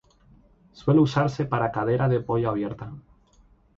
Suele usarse una cadera de pollo abierta.